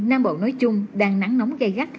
nam bộ nói chung đang nắng nóng gây gắt